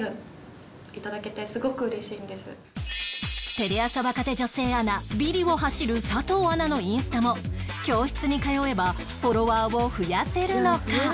テレ朝若手女性アナビリを走る佐藤アナのインスタも教室に通えばフォロワーを増やせるのか？